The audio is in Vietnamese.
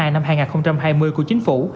năm hai nghìn hai mươi của chính phủ